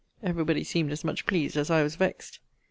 Every body seemed as much pleased as I was vexed.